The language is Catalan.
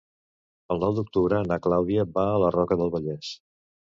El nou d'octubre na Clàudia va a la Roca del Vallès.